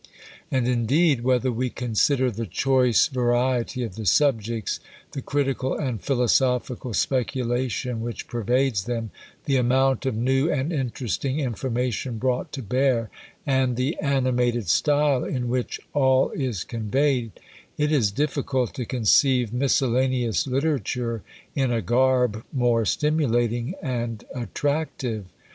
And, indeed, whether we consider the choice variety of the subjects, the critical and philosophical speculation which pervades them, the amount of new and interesting information brought to bear, and the animated style in which all is conveyed, it is difficult to conceive miscellaneous literature in a garb more stimulating and attractive.